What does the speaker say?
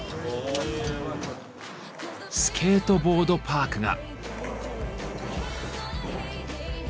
スケートボードパークが。